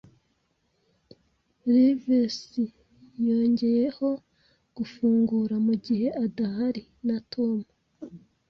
Livesey, yongeyeho, "Gufungura, mugihe adahari, na Tom